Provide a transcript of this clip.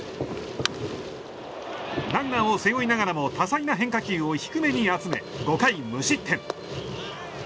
ランナーを背負いながらも多彩な変化球を低めに集め、５回無失点。